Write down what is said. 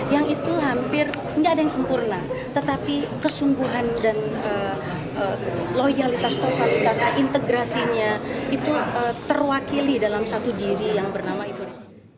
yang itu hampir tidak ada yang sempurna tetapi kesungguhan dan loyalitas totalitas integrasinya itu terwakili dalam satu diri yang bernama itu